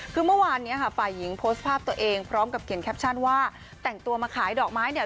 คือเมื่อวานนี้ค่ะฝ่ายหญิงโพสต์ภาพตัวเองพร้อมกับเขียนแคปชั่นว่าแต่งตัวมาขายดอกไม้เนี่ย